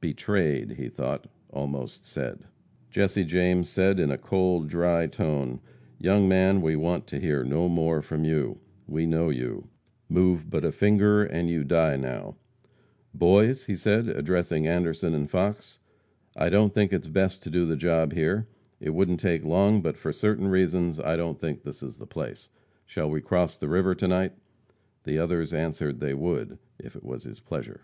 "Betrayed," he thought, almost said. Jesse James said, in a cold, dry tone: "Young man, we want to hear no more from you. We know you. Move but a finger and you die now. Boys," he said, addressing Anderson and Fox, "I don't think it best to do the job here. It wouldn't take long, but for certain reasons I don't think this is the place. Shall we cross the river to night?" The others answered they would, if it was his pleasure.